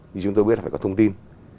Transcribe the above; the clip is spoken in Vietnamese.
như chúng tôi biết là phải có thông tin